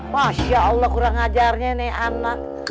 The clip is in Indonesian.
masya allah kurang ajarnya nih anak